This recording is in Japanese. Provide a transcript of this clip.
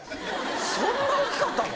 そんな大きかったの？